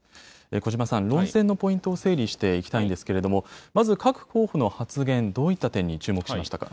小嶋さん、論戦のポイントを整理していきたいんですけれども、まず各候補の発言、どういった点に注目しましたか。